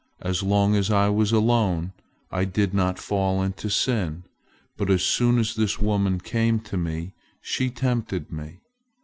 As long as I was alone, I did not fall into sin, but as soon as this woman came to me, she tempted me."